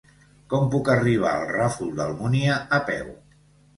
Com puc arribar al Ràfol d'Almúnia a peu?